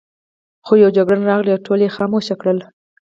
خو یو جګړن راغی او ټول یې خاموشه کړل.